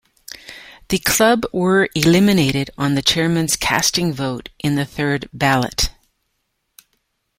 The club were eliminated on the chairman’s casting vote in the third ballot.